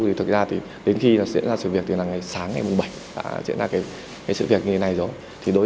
thì thực ra đến khi diễn ra sự việc thì là ngày sáng ngày mùng bảy đã diễn ra sự việc như thế này rồi